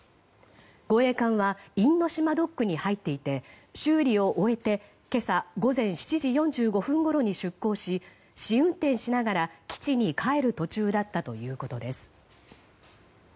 護衛艦は因島ドックに入っていて修理を終えて今朝午前７時４５分ごろに出航し、試運転しながら基地に帰る途中だったということです。